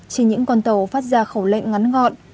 trên những con tàu phát ra khẩu lệnh ngắn gọn